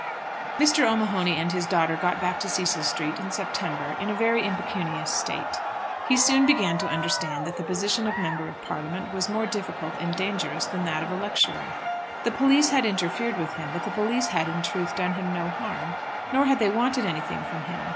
Mr. O'Mahony and his daughter got back to Cecil Street in September in a very impecunious state. He soon began to understand that the position of Member of Parliament was more difficult and dangerous than that of a lecturer. The police had interfered with him; but the police had in truth done him no harm, nor had they wanted anything from him.